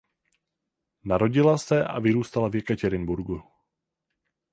Narodila se a vyrůstala v Jekatěrinburgu.